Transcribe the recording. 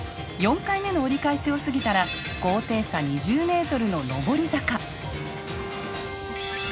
４回目の折り返しを過ぎたら高低差２０ｍの上り坂。